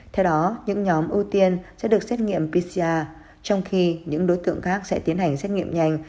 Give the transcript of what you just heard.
theo đó những nhóm ưu tiên sẽ được xét nghiệm pcr trong khi những đối tượng khác sẽ tiến hành xét nghiệm nhanh